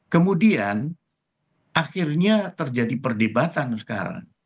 kemudian akhirnya terjadi perdebatan sekarang